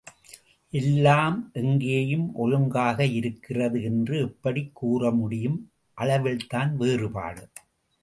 எல்லாம் எங்கேயும் ஒழுங்காக இருக்கிறது என்று எப்படிக் கூறமுடியும், அளவில்தான் வேறுபாடு.